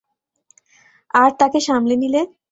আর তাকে সামলে নিলে?